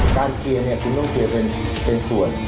การเคลียร์คุณต้องเคลียร์เป็นส่วน